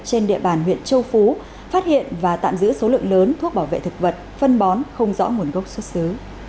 trên địa bàn huyện châu phú phát hiện và tạm giữ số lượng lớn thuốc bảo vệ thực vật phân bón không rõ nguồn gốc xuất xứ